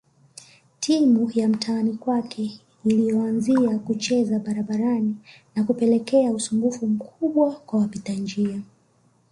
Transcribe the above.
Timu ya mtaani kwake iliyoanzia kucheza barabarani na kupelekea usumbufu mkubwa kwa wapita njia